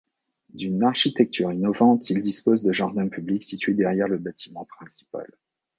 D'une architecture innovante, il dispose de jardins publics situés derrière le bâtiment principal.